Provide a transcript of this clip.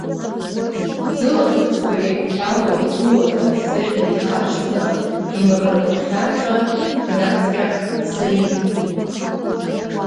Зылаӷырӡқәа еиқәҳәало иҵәуоз афицергьы дихаршҭны, имаӷрақәа ԥхьарҵәа, днаҵҟьахт Саид.